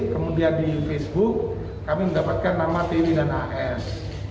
kemudian di facebook kami mendapatkan nama twi dan as